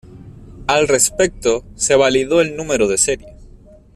Al respecto, se validó el número de serie.